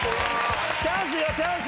チャンスよチャンス。